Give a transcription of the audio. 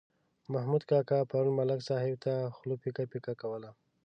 محمود کاکا پرون ملک صاحب ته خوله پیکه پیکه کوله.